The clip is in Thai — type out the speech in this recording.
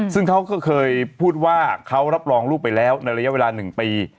ซึ่งเขาก็เคยพูดว่าเขารับรองลูกไปแล้วในระยะเวลา๑ปี